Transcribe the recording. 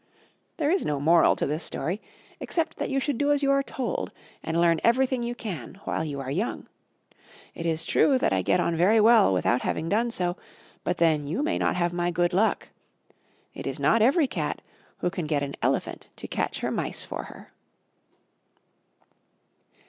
There is no moral to this story, except that you should do as you are told, and learn everything you can while you are young. It is true that I get on very well without having done so, but then you may not have my good luck. It is not every cat who can get an elephant to catch her mice for her.